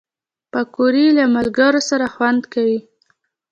پکورې له ملګرو سره خوند کوي